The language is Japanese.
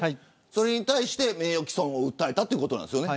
それに対して名誉棄損を訴えたということですね。